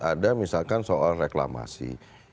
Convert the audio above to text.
ada misalkan soal reklamasi